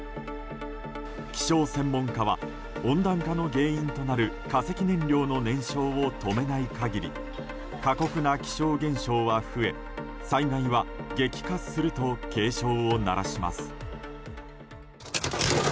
気象専門家は温暖化の原因となる化石燃料の燃焼を止めない限り過酷な気象現象は増え災害は激化すると警鐘を鳴らします。